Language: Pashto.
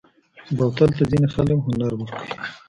بوتل ته ځینې خلک هنر ورکوي.